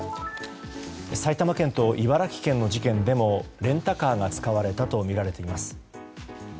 埼玉県と茨城県の事件でもレンタカーが使われたとみられています。